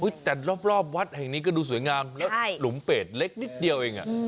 แต่รอบวัดแห่งนี้ก็ดูสวยงามแล้วหลุมเป็ดเล็กนิดเดียวเอง